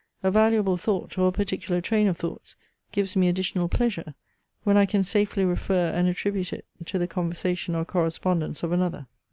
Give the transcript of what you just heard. A valuable thought, or a particular train of thoughts, gives me additional pleasure, when I can safely refer and attribute it to the conversation or correspondence of another.